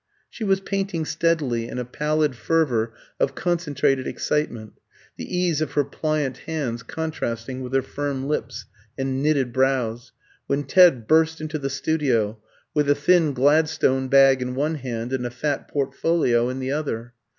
She was painting steadily, in a pallid fervour of concentrated excitement, the ease of her pliant hands contrasting with her firm lips and knitted brows, when Ted burst into the studio, with a thin Gladstone bag in one hand and a fat portfolio in the other.